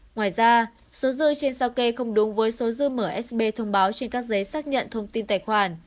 ngoài ra số dư trên sao kê không đúng với số dư msb thông báo trên các giấy xác nhận thông tin tài khoản